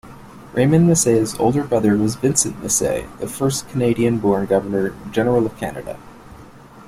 Raymond Massey's older brother was Vincent Massey, the first Canadian-born Governor General of Canada.